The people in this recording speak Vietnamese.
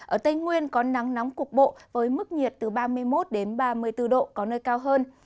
ở tây nguyên có nắng nóng cục bộ với mức nhiệt từ ba mươi một đến ba mươi bốn độ có nơi cao hơn